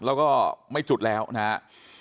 แล้วก็ไม่จุดแล้วนะครับ